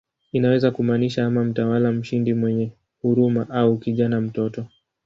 Inaweza kumaanisha ama "mtawala mshindi mwenye huruma" au "kijana, mtoto".